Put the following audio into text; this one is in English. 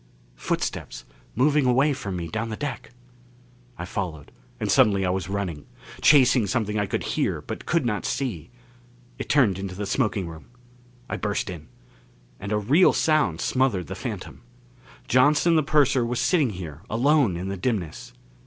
Footsteps moving away from me down the deck! I followed; and suddenly I was running. Chasing something I could hear, but could not see. It turned into the smoking room. I burst in. And a real sound smothered the phantom. Johnson the purser was sitting here alone in the dimness.